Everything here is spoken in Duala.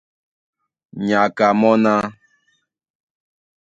Nyaka mɔ́ ná: